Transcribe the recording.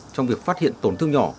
trong việc phát hiện tổn thương nhỏ